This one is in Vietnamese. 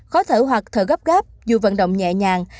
khó thở hoặc thở gấp gáp dù vận động nhẹ nhàng